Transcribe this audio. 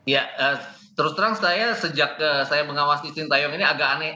ya terus terang saya sejak saya mengawasi sintayong ini agak aneh